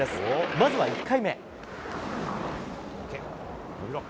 まずは１回目。